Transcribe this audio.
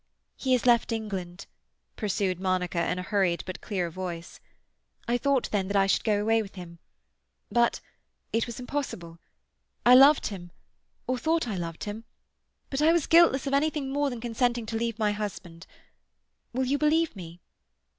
"He has left England," pursued Monica in a hurried but clear voice. "I thought then that I should go away with him. But—it was impossible. I loved him—or thought I loved him; but I was guiltless of anything more than consenting to leave my husband. Will you believe me?"